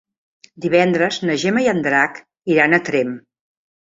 Divendres na Gemma i en Drac iran a Tremp.